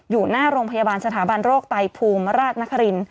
อยู่หน้าโรงพยาบาลสถาบันโรคไตภูมิราชนคริน